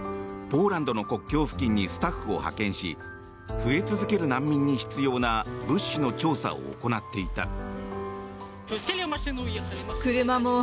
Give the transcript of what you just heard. ポーランドの国境付近にスタッフを派遣し増え続ける難民に必要な物資の調査を行っていた。